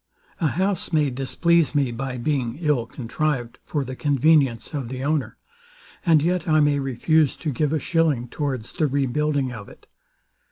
A house may displease me by being ill contrived for the convenience of the owner; and yet I may refuse to give a shilling towards the rebuilding of it.